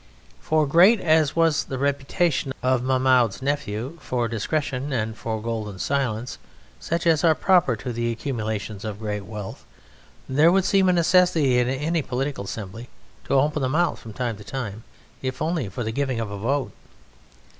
For great as was the reputation of Mahmoud's Nephew for discretion and for golden silence, such as are proper to the accumulation of great wealth, there would seem a necessity in any political assembly to open the mouth from time to time, if only for the giving of a vote.